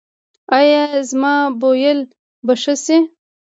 ایا زما بویول به ښه شي؟